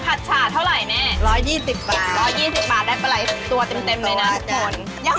๑๒๐บาทได้ปลาไหล่ตัวเต็มหน่อยนะ